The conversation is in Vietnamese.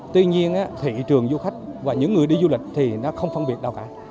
tuy nhiên thị trường du khách và những người đi du lịch thì nó không phân biệt đâu cả